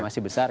masih besar ya